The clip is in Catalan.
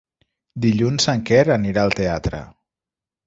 Dilluns en Quer anirà al teatre.